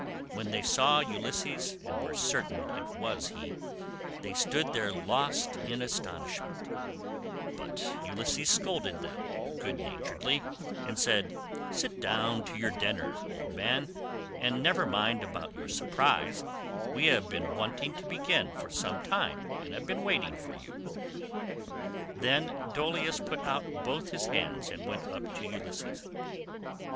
When they saw Ulysses and were certain it was he, they stood there lost in astonishment; but Ulysses scolded them good naturedly and said, "Sit down to your dinner, old man, and never mind about your surprise; we have been wanting to begin for some time and have been waiting for you." Then Dolius put out both his hands and went up to Ulysses.